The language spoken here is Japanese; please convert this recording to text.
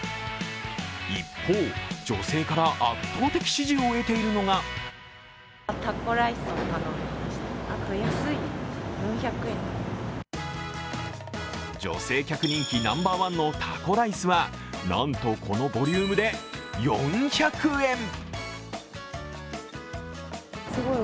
一方、女性から圧倒的支持を得ているのが女性客人気ナンバーワンのタコライスはなんとこのボリュームで４００円。